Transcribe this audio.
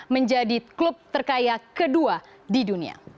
menjadi klub terkaya kedua di dunia